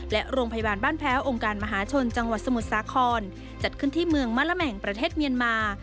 และโรงพยาบาลบ้านแพ้วองค์การมหาชนจังหวัดสมุทรสาครจัดขึ้นที่เมืองมะละแม่งประเทศเมียนมา